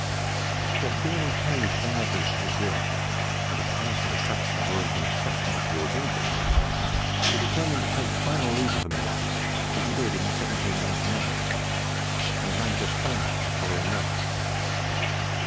But being badly paid for his work, and a powerful attraction drawing him constantly towards England, he determined to take final leave of America, which he did in 1799, and landed at Falmouth in the following March.